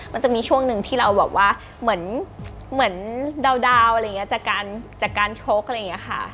มันจะมีช่วงหนึ่งที่เราเหมือนดาวจากการโชค